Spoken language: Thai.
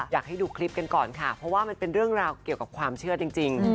อยากให้ดูคลิปกันก่อนค่ะเพราะว่ามันเป็นเรื่องราวเกี่ยวกับความเชื่อจริง